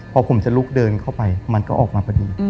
พอผมจะลุกเดินเข้าไปมันก็ออกมาพอดี